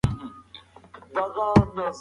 ملا په کټ کې نېغ کښېناست.